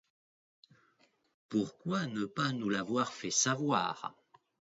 Pourquoi ne pas nous l’avoir fait savoir ?